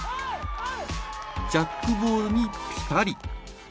ジャックボールに、ぴたり。